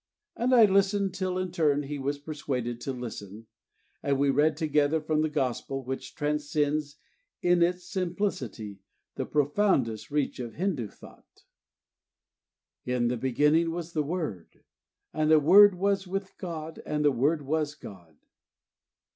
And I listened till in turn he was persuaded to listen, and we read together from the Gospel which transcends in its simplicity the profoundest reach of Hindu thought: "In the beginning was the Word, and the Word was with God, and the Word was God."